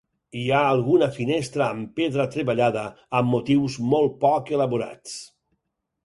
Hi ha alguna finestra amb pedra treballada amb motius molt poc elaborats.